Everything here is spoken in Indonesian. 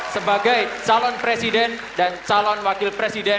sebagai calon presiden dan calon wakil presiden dua ribu dua puluh empat